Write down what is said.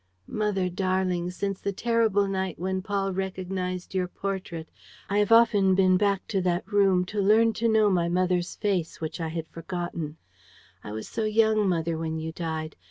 Mother, darling, since the terrible night when Paul recognized your portrait, I have often been back to that room, to learn to know my mother's face, which I had forgotten: I was so young, mother, when you died!